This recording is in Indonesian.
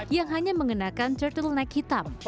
yang hanya mengenakan turtleneck hitam